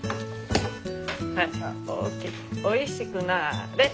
おいしくなれ！